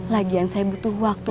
lagian saya butuh waktu